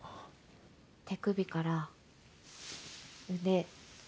手首から腕。